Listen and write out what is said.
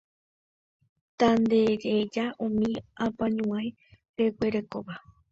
Tandereja umi apañuái reguerekóva